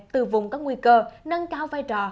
từ vùng có nguy cơ nâng cao vai trò